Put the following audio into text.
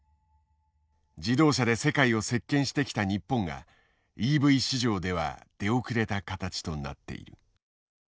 自動車で世界を席巻してきた日本がＥＶ市場では出遅れた形となっている。